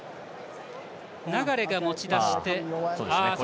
流が持ち出して。